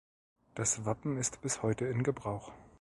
Das Wappen ist bis heute in Gebrauch.